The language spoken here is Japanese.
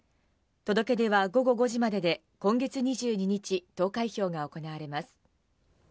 届け出は午後５時までで、今月２２日、投開票が行われます。